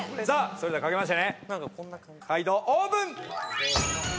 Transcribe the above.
それでは書けましたね解答オープン！